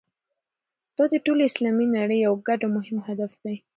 دا د ټولې اسلامي نړۍ یو ګډ او مهم هدف دی.